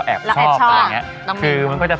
พี่อายกับพี่อ๋อมไม่ได้ครับ